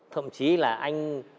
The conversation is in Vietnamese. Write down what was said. thậm chí là anh